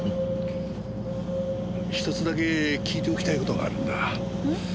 １つだけ聞いておきたい事があるんだ。